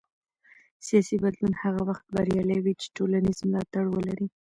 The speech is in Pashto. سیاسي بدلون هغه وخت بریالی وي چې ټولنیز ملاتړ ولري